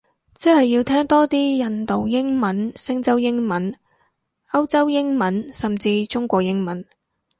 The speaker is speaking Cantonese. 即係要聽多啲印度英文，星洲英文，歐洲英文，甚至中國英文